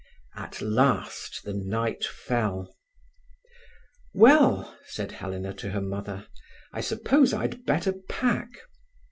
At last the night fell. "Well," said Helena to her mother, "I suppose I'd better pack."